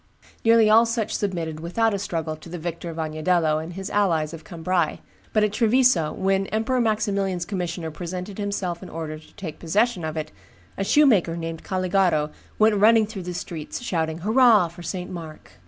Nearly all such submitted without a struggle to the victor of Agnadello and his allies of Cambrai; but at Treviso, when Emperor Maximilian's commissioner presented himself in order to take possession of it, a shoemaker named Caligaro went running through the streets, shouting, "Hurrah! for St. Mark."